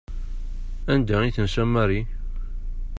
Anda i tensa Mary?